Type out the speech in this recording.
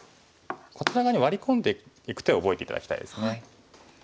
こちら側にワリ込んでいく手を覚えて頂きたいですね。